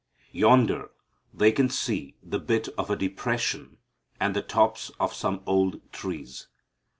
Yonder they can see the bit of a depression and the tops of some old trees.